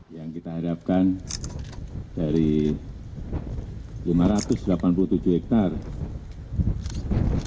yang kita harapkan dari lima ratus delapan puluh tujuh hektare